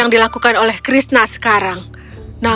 ini jadi hal hal rukun para warga untuk krishna